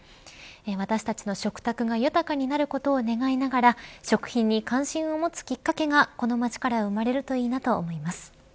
私たちの食卓が豊かになることを願いながら食品に関心を持つきっかけがこの街から生まれるといいなと思います。